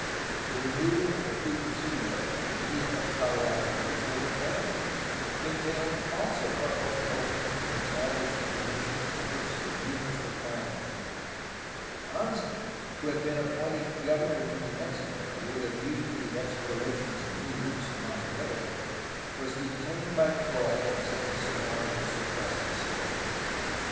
The removal of the two presidios to the Gila and Colorado rivers was abandoned, entaiUng also a postponement in establishing the missions for which the Yumas were clamor ing. Anza, who had been appointed governor of New Mexico with a view to the exploration of new routes to Monterey, was detained by Croix and sent to Sonora to suppress the Seris.